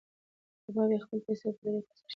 کبابي خپلې پیسې په ډېر احتیاط سره شمېرلې.